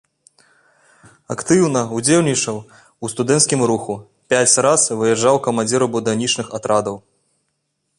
Актыўна ўдзельнічаў у студэнцкім руху, пяць раз выязджаў камандзірам будаўнічых атрадаў.